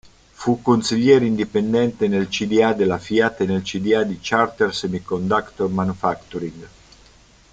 Fu consigliere indipendente nel cda della Fiat e nel cda di Chartered Semiconductor Manufacturing.